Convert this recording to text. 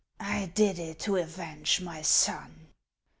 I did it to avenge my son.